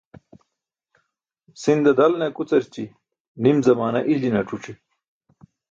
Sinda dalne akucarći, nim zamaana iljine ac̣uc̣i.